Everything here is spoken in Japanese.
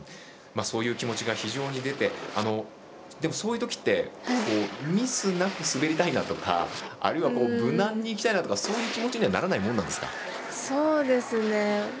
そういう気持ちが非常に出てでも、そういうときってミスなく滑りたいなとかあるいは無難にいきたいなとかそういう気持ちにはそうですね。